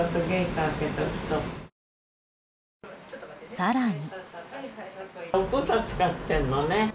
更に。